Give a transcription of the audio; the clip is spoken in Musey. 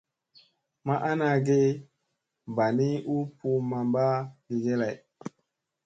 Ma ana ge mba ni u puu mamba gige lay.